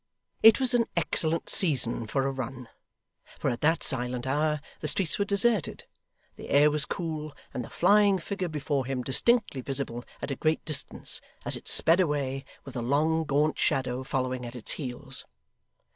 It was an excellent season for a run, for at that silent hour the streets were deserted, the air was cool, and the flying figure before him distinctly visible at a great distance, as it sped away, with a long gaunt shadow following at its heels.